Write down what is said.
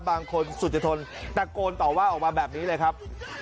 สุจทนตะโกนต่อว่าออกมาแบบนี้เลยครับ